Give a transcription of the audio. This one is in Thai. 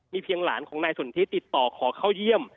เพียงหลานของนายสนทิติดต่อขอเข้าเยี่ยม